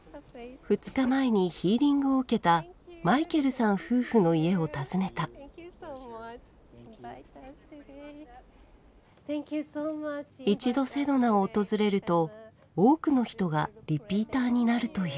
２日前にヒーリングを受けたマイケルさん夫婦の家を訪ねた一度セドナを訪れると多くの人がリピーターになるという。